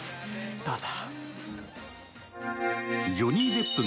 どうぞ。